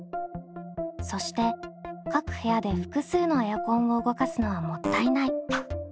そして各部屋で複数のエアコンを動かすのはもったいない。